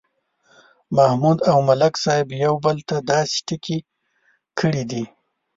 محمود او ملک صاحب یو بل ته داسې ټکي کړي دي